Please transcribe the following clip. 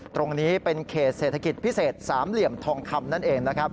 ตรงนี้เป็นเขตเศรษฐกิจพิเศษสามเหลี่ยมทองคำนั่นเองนะครับ